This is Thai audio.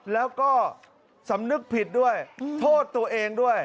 แล้วก็สำนึกผิดด้วยโทษตัวเองด้วย